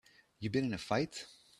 You been in a fight?